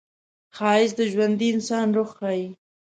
ښایست د ژوندي انسان روح ښيي